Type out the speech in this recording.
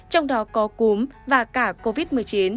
trong đó có cúm và cả covid một mươi chín